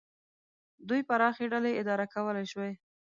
دوی پراخې ډلې اداره کولای شوای.